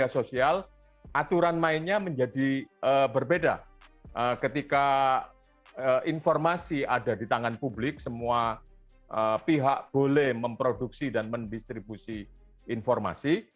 semua informasi ada di tangan publik semua pihak boleh memproduksi dan mendistribusi informasi